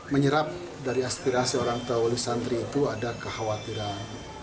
menyerap dari aspirasi orang tua wali santri itu ada kekhawatiran